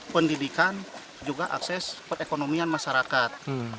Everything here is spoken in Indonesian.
pendidikan juga akses perekonomian masyarakat